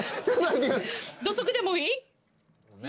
土足でもいい？